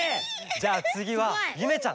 じゃあつぎはゆめちゃん。